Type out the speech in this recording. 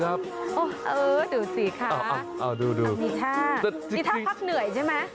จะเป็นเป็นเพื่อนเลยอะ